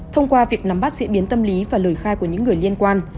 thông qua việc nắm bắt diễn biến tâm lý và lời khai của những người liên quan